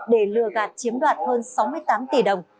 để lừa gạt chiếm đoạt hơn sáu mươi tám tỷ đồng